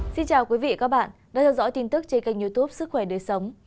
xin chào quý vị và các bạn đang theo dõi tin tức trên kênh youtube sức khỏe đời sống